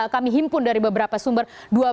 kami himpun dari beberapa sumber